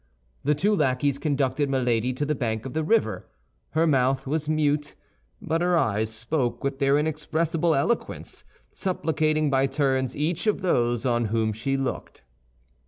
The two lackeys conducted Milady to the bank of the river. Her mouth was mute; but her eyes spoke with their inexpressible eloquence, supplicating by turns each of those on whom she looked.